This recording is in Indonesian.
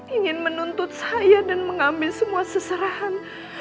ingin menuntut saya dan mengambil semua seserahan